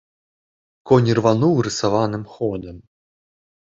Конь ірвануў рысаваным ходам.